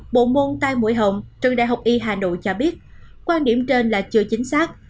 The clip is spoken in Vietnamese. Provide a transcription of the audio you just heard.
bộ môn tai mũi họng trường đại học y hà nội cho biết quan điểm trên là chưa chính xác